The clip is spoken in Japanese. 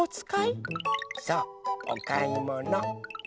そうおかいもの。ね？